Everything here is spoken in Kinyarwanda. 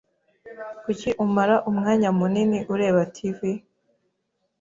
Kuki umara umwanya munini ureba TV?